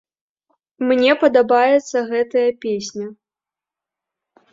Мне падабаецца гэтая песня!